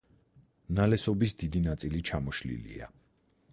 ნალესობის დიდი ნაწილი ჩამოშლილია.